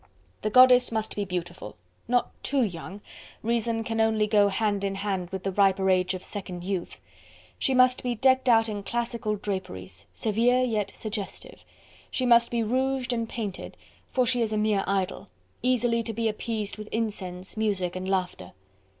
"The goddess must be beautiful... not too young... Reason can only go hand in hand with the riper age of second youth... she must be decked out in classical draperies, severe yet suggestive... she must be rouged and painted... for she is a mere idol... easily to be appeased with incense, music and laughter."